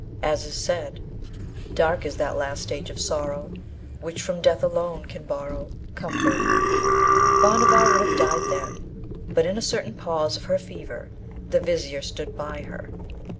As is said: Dark is that last stage of sorrow Which from Death alone can borrow Comfort: Bhanavar would have died then, but in a certain pause of her fever the Vizier stood by her.